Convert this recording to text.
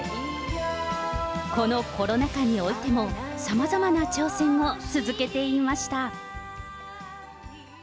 このコロナ禍においてもさまざまな挑戦を続けていました。